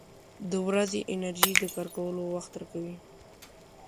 • د ورځې انرژي د کار کولو وخت راکوي.